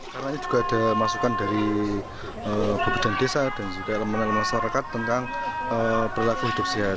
masa ini juga ada masukan dari bubadan desa dan juga elemen elemen masyarakat tentang berlaku hidup sehat